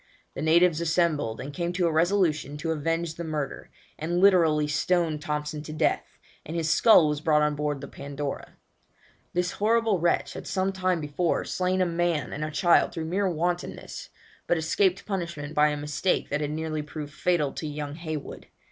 The natives assembled, and came to a resolution to avenge the murder, and literally stoned Thompson to death, and his skull was brought on board the Pandora. This horrible wretch had some time before slain a man and a child through mere wantonness, but escaped punishment by a mistake that had nearly proved fatal to young Heywood.